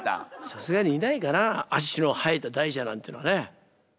さすがにいないかな足の生えた大蛇なんていうのはね。